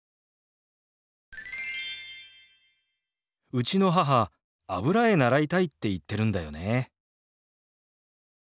うちの母油絵習いたいって言ってるんだよね。